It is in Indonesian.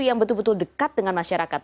yang betul betul dekat dengan masyarakat